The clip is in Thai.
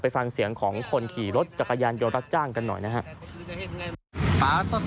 ฟังเสียงของคนขี่รถจักรยานยนต์รับจ้างกันหน่อยนะครับ